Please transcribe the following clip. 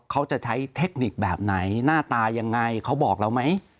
เขาจะใช้เทคนิคแบบไหนหน้าตายังไงเขาบอกเราไหม